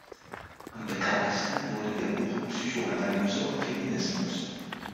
Am bekanntesten wurde ihr Buch "Psychoanalyse und Feminismus.